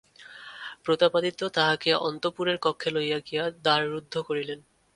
প্রতাপাদিত্য তাঁহাকে অন্তঃপুরের কক্ষে লইয়া গিয়া দ্বার রুদ্ধ করিলেন।